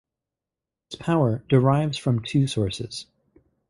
This power derives from two sources.